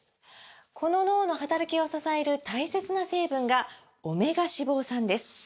この脳の働きを支える大切な成分が「オメガ脂肪酸」です！